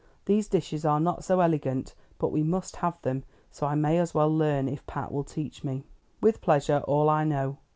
These dishes are not so elegant, but we must have them; so I may as well learn, if Pat will teach me." "With pleasure, all I know.